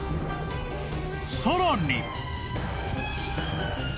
［さらに］